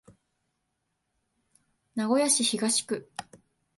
名古屋市東区